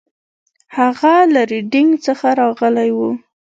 هغه له ریډینګ څخه راغلی و.